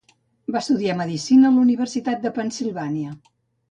Va estudiar medicina a la Universitat de Pennsilvània.